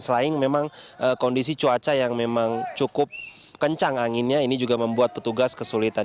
selain memang kondisi cuaca yang memang cukup kencang anginnya ini juga membuat petugas kesulitan